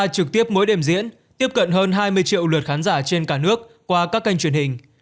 cuối đêm diễn tiếp cận hơn hai mươi triệu lượt khán giả trên cả nước qua các kênh truyền hình